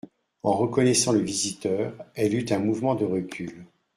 En reconnaissant le visiteur, elle eut un mouvement de recul.